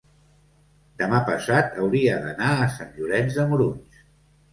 demà passat hauria d'anar a Sant Llorenç de Morunys.